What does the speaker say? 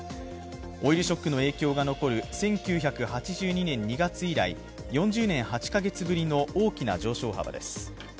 オイルショックの影響が残る１９８２年２月以来４０年８か月ぶりの大きな上昇幅です